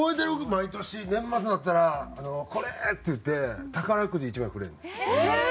毎年年末になったら「これ！」って言って宝くじ１枚くれんねん。